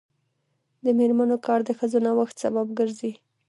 د میرمنو کار د ښځو نوښت سبب ګرځي.